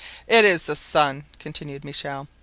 "It is the sun!" continued Michel.